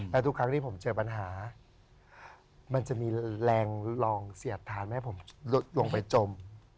แล้วทุกครั้งที่ผมเจอปัญหามันจะมีแรงลองเสียดทานไม่ให้ผมลงไปจม